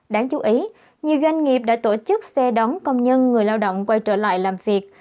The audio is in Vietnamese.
đáng chú ý nhiều doanh nghiệp đã tổ chức xe đón công nhân người lao động quay trở lại làm việc